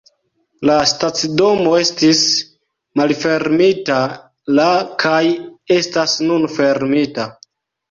La stacidomo estis malfermita la kaj estas nun fermita.